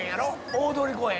大通公園？